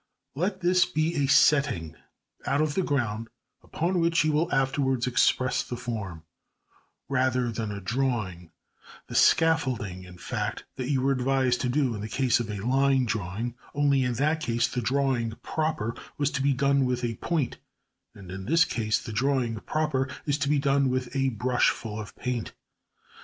Let this be a setting out of the ground upon which you will afterwards express the form, rather than a drawing the same scaffolding, in fact, that you were advised to do in the case of a line drawing, only, in that case, the drawing proper was to be done with a point, and in this case the drawing proper is to be done with a brush full of paint.